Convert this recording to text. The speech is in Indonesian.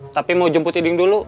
tapi mau jemput iding dulu